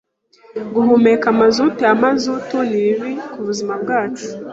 Guhumeka mazutu ya mazutu ni bibi kubuzima bwacu.